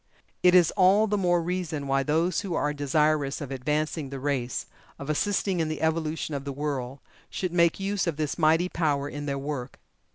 And it is all the more reason why those who are desirous of advancing the race of assisting in the evolution of the world should make use of this mighty power in their work.